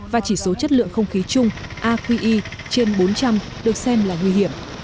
và chỉ số chất lượng không khí chung aqi trên bốn trăm linh được xem là nguy hiểm